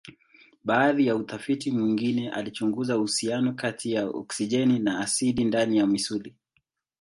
Baadhi ya utafiti mwingine alichunguza uhusiano kati ya oksijeni na asidi ndani ya misuli.